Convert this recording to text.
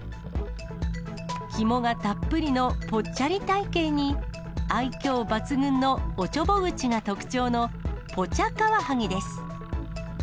肝がたっぷりのぽっちゃり体形に、愛きょう抜群のおちょぼ口が特徴の、ぽちゃかわハギです。